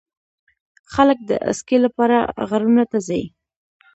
خلک د اسکی لپاره غرونو ته ځي.